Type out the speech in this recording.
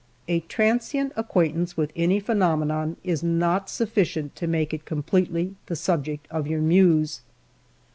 A transient acquaintance with any phenom enon is not sufficient to make it completely the subject of your muse.